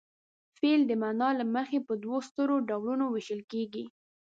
فعل د معنا له مخې په دوو سترو ډولونو ویشل کیږي.